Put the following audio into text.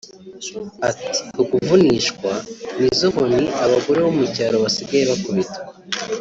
Ati "Ukuvunishwa nizo nkoni abagore bo mu cyaro basigaye bakubitwa